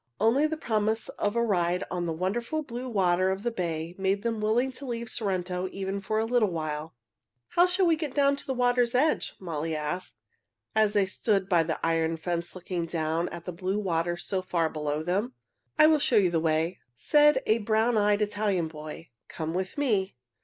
Only the promise of a ride on the wonderful blue water of the bay made them willing to leave Sorrento even for a little while. "How shall we get down to the water's edge?" Molly asked, as they stood by the iron fence looking down at the blue water so far below them. "I will show you the way," said a brown eyed Italian boy. "Come with me."